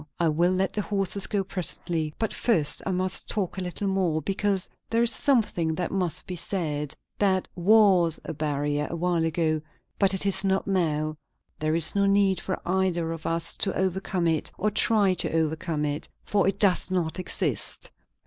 "I will let the horses go presently; but first I must talk a little more, because there is something that must be said. That was a barrier, a while ago; but it is not now. There is no need for either of us to overcome it or try to overcome it, for it does not exist.